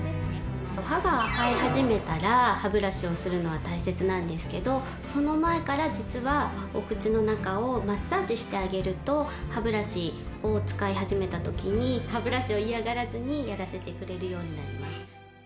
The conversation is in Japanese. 歯が生え始めたら歯ブラシをするのは大切なんですけどその前から実はお口の中をマッサージしてあげると歯ブラシを使い始めた時に歯ブラシを嫌がらずにやらせてくれるようになります。